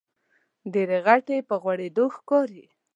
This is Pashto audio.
ډېرې غوټۍ په غوړېدو ښکاري.